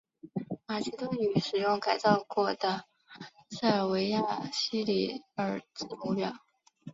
马其顿语使用改造过的塞尔维亚西里尔字母表。